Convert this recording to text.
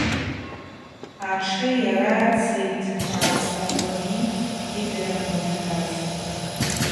Атшы йара цитӏ, дъацауагьи гьидырам Батараз.